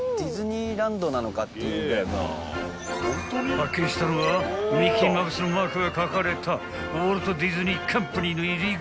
［発見したのはミッキーマウスのマークが描かれたウォルト・ディズニー・カンパニーの入り口］